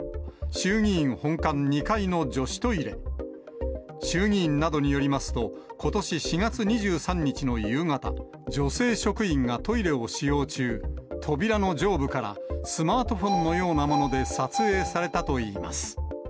衆議院などによりますと、ことし４月２３日の夕方、女性職員がトイレを使用中、扉の上部からスマートフォンのようなもので撮影されたといいます。